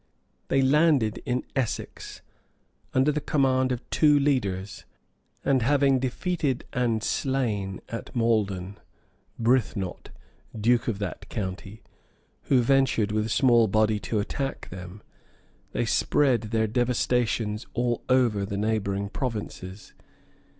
They landed in Essex, under the command of two leaders; and having defeated and slain, at Maldon, Brithnot, duke of that county, who ventured with a small body to attack them, they spread their devastations over all the neighboring provinces.